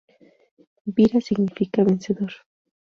Vira significa vencedor.